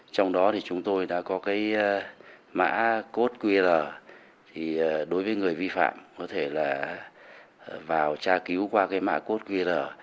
trong đó chúng tôi đã có mã code qr đối với người vi phạm có thể là vào tra cứu qua mã code qr